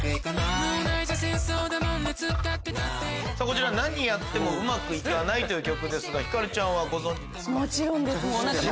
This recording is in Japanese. こちら『なにやってもうまくいかない』という曲ですがひかるちゃんはご存じですか？